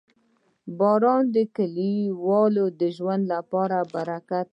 • باران د کلیو د ژوند لپاره برکت دی.